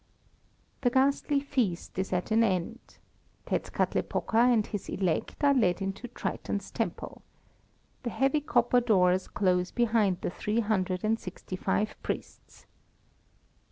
The ghastly feast is at an end. Tetzkatlepoka and his elect are led into Triton's temple. The heavy copper doors close behind the three hundred and sixty five priests.